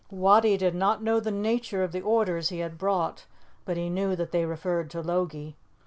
Wattie did not know the nature of the orders he had brought, but he knew that they referred to Logie.